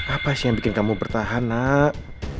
apa sih yang bikin kamu bertahan nak